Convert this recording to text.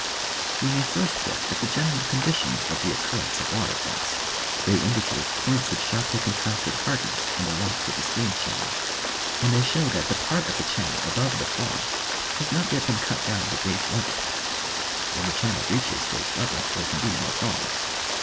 We may first look at the general conditions of the occurrence of water falls. They indicate points of sharply contrasted hard ness in the rocks of the stream channel, and they show that the part of the channel above the fall has not yet been cut down to base level. When the channel reaches base level there can be no> falls.